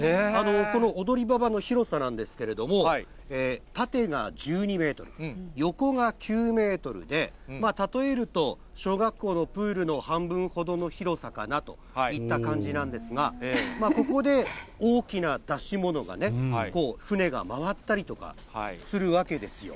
この踊馬場の広さなんですけれども、縦が１２メートル、横が９メートルで、例えると小学校のプールの半分ほどの広さかなといった感じなんですが、ここで大きな出し物が船が回ったりとかするわけですよ。